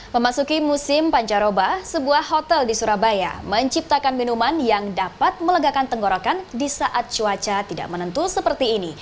memasuki musim pancaroba sebuah hotel di surabaya menciptakan minuman yang dapat melegakan tenggorokan di saat cuaca tidak menentu seperti ini